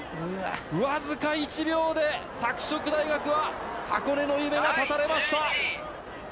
僅か１秒で拓殖大学は箱根の夢が断たれました。